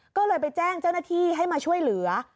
ก็เลยไปแจ้งเจ้าหน้าที่ให้มาช่วยเหลือ